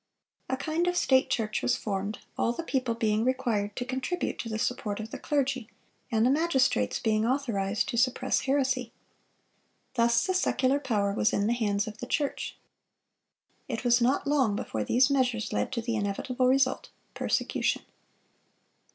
A kind of state church was formed, all the people being required to contribute to the support of the clergy, and the magistrates being authorized to suppress heresy. Thus the secular power was in the hands of the church. It was not long before these measures led to the inevitable result—persecution.